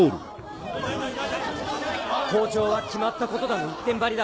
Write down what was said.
校長は「決まったことだ」の一点張りだ。